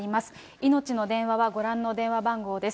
いのちの電話は、ご覧の電話番号です。